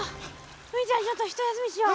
お兄ちゃんちょっと一休みしよう。